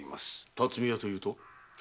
辰巳屋というと？